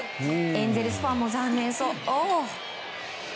エンゼルスファンも残念そう。